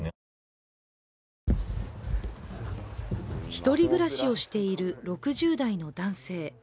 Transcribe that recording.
１人暮らしをしている６０代の男性。